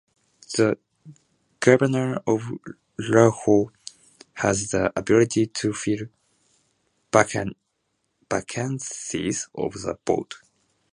The governor of Idaho has the ability to fill vacancies on the board.